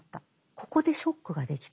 ここでショックができた。